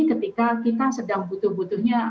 ketika kita sedang butuh butuhnya